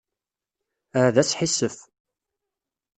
Ah, d asḥissef.